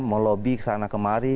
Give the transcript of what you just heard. melobi ke sana kemari